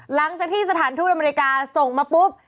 หลังจากที่สถานทูตอเมริกาส่งมาปุ๊บ